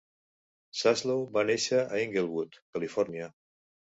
Zaslow va néixer a Inglewood, Califòrnia.